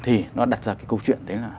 thì nó đặt ra cái câu chuyện đấy là